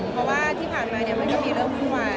เพราะว่าที่ผ่านมามันก็มีอะไรขึ้นขยะเลย